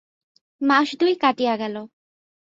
মাস দুই কাটিয়া গেল।